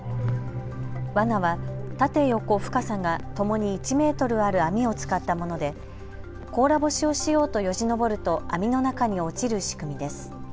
わなは縦横、深さがともに１メートルある網を使ったもので甲羅干しをしようとよじのぼると網の中に落ちる仕組みです。